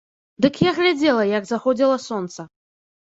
Дык я глядзела, як заходзіла сонца.